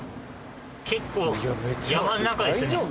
結構山の中ですね。